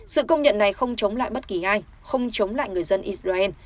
sự công nhận này không chống lại bất kỳ ai không chống lại người dân israel